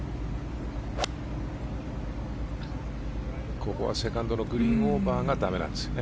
ここはセカンドのグリーンオーバーが駄目なんですよね。